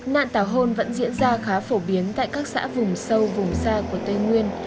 nạn tảo hôn vẫn diễn ra khá phổ biến tại các xã vùng sâu vùng xa của tây nguyên